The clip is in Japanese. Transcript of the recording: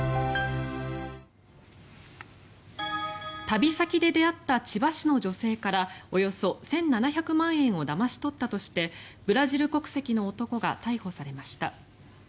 旅先で出会った千葉市の女性からおよそ１７００万円をだまし取ったとしてブラジル国籍の男が逮捕されました。